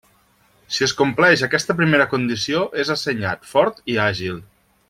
Si es compleix aquesta primera condició, és assenyat, fort i àgil.